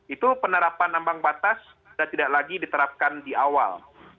itu penerapan ambang batas sudah tidak lagi diterapkan di awal